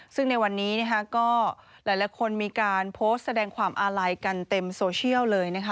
ซึ่งในวันนี้นะคะก็หลายคนมีการโพสต์แสดงความอาลัยกันเต็มโซเชียลเลยนะคะ